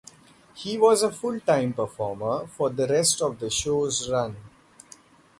He was a full-time performer for the rest of the show's run.